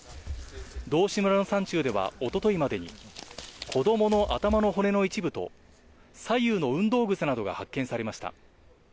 道志村の山中では、おとといまでに、子どもの頭の骨の一部と、左右の運動靴などが発見されました。